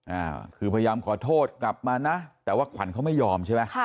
อ่าคือพยายามขอโทษกลับมานะแต่ว่าขวัญเขาไม่ยอมใช่ไหมค่ะ